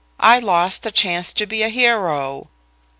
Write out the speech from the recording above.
I lost a chance to be a hero."